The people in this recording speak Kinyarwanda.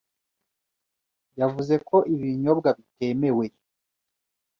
yavuze ko ibi binyobwa bitemewe